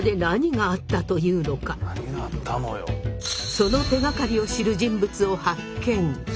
その手がかりを知る人物を発見！